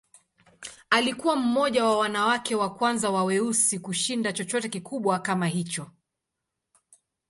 Alikuwa mmoja wa wanawake wa kwanza wa weusi kushinda chochote kikubwa kama hicho.